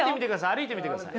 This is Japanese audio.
歩いてみてください。